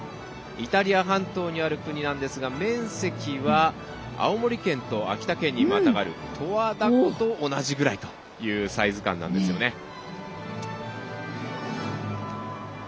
イタリア半島にある国ですが面積は青森県と秋田県にまたがる十和田湖と同じくらいというサイズ感なんですよね。